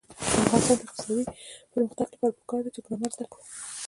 د افغانستان د اقتصادي پرمختګ لپاره پکار ده چې ګرامر زده کړو.